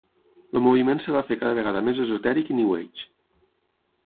El moviment es va fer cada vegada més esotèric i New Age.